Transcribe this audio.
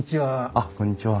あっこんにちは。